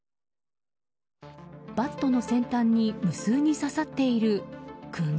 バットの先端に無数に刺さっている釘。